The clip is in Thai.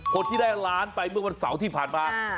คนที่ได้ล้านไปเมื่อวันเสาร์ที่ผ่านมา